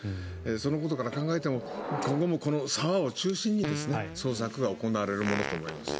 そのことから考えても今後もこの沢を中心に捜索が行われるものと思います。